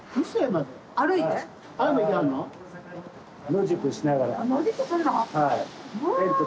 野宿しながら。